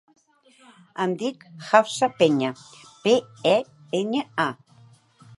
Em dic Hafsa Peña: pe, e, enya, a.